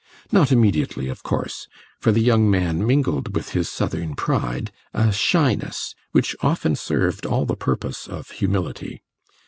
Not immediately, of course, for the young man mingled with his Southern pride a shyness which often served all the purpose of humility.